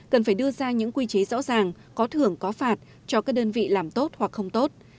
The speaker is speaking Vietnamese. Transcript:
cần phải đưa ra những quy chế rõ ràng có thưởng có phạt cho các đơn vị làm tốt hoặc không tốt